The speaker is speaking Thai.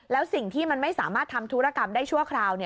แล้วสิ่งที่มันไม่สามารถทำธุรกรรมได้ชั่วคราว